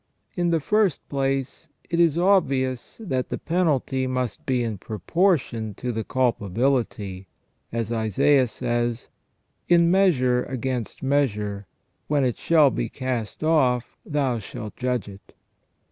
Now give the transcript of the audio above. In the first place, it is obvious that the penalty must be in proportion to the culpability ; as Isaias says :" In measure against measure, when it shall be cast off, Thou * shalt judge it".